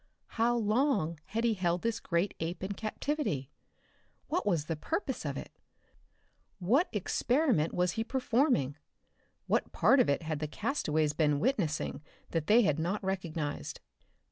How long had he held this great ape in captivity? What was the purpose of it? What experiment was he performing? What part of it had the castaways been witnessing that they had not recognized?